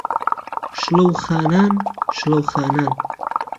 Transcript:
شڵهو خانان، شڵهو خانان